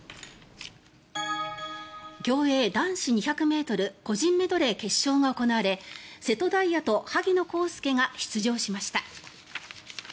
競泳男子２００ｍ個人メドレー決勝が行われ瀬戸大也と萩野公介が出場しました。